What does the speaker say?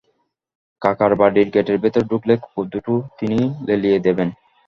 কাকার বাড়ির গেটের ভেতর ঢুকলে কুকুর দুটো তিনি লেলিয়ে দেবেন।